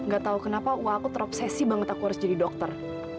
gak tau kenapa wah aku terobsesi banget aku harus jadi dokter